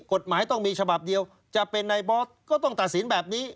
กฎหมายต้องมีฉบับเดียวจะเป็นในบอสก็ต้องตัดสินแบบนี้